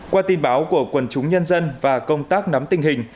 qua tin báo của quần chúng nhân dân và công tác nắm tình hình